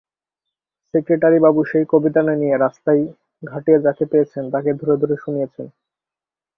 সেক্রেটারিবাবু সেই কবিতাটা নিয়ে রাস্তায় ঘাটে যাকে পেয়েছেন তাকে ধরে ধরে শুনিয়েছেন।